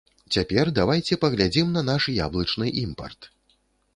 Цяпер давайце паглядзім на наш яблычны імпарт.